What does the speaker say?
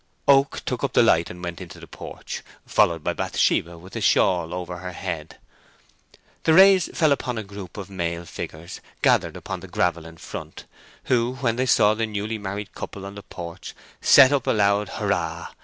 Oak took up the light and went into the porch, followed by Bathsheba with a shawl over her head. The rays fell upon a group of male figures gathered upon the gravel in front, who, when they saw the newly married couple in the porch, set up a loud "Hurrah!"